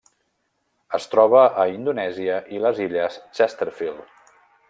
Es troba a Indonèsia i les illes Chesterfield.